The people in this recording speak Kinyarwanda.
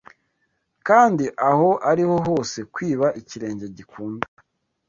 Kandi, aho ariho hose kwiba ikirenge gikunda